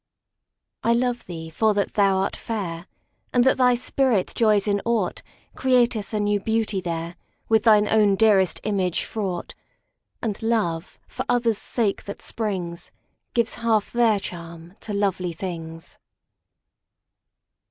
I love thee for that thou art fair; And that thy spirit joys in aught Createth a new beauty there, With throe own dearest image fraught; And love, for others' sake that springs, Gives half their charm to lovely things.